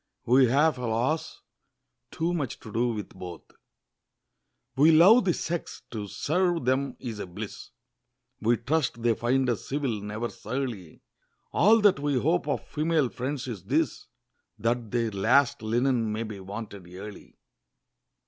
We have, alas! too much to do with both! We love the sex: to serve them is a bliss! We trust they find us civil, never surly; All that we hope of female friends is this, That their last linen may be wanted early.